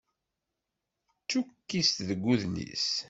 D tukkist deg udlis.